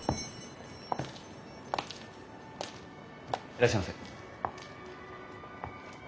いらっしゃいませ。